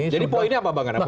jadi poinnya apa bang